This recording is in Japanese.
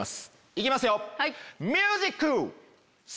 いきますよ！